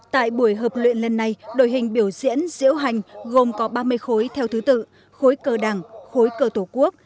tại buổi hợp luyện lần này đội hình biểu diễn diễu hành gồm có ba mươi khối theo thứ tự khối cơ đảng khối cơ tổ quốc